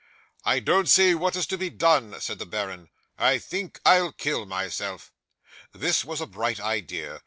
'"I don't see what is to be done," said the baron. "I think I'll kill myself." 'This was a bright idea.